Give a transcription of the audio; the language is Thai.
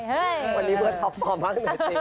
วันนี้เวิร์ดพอบมากเลยจริง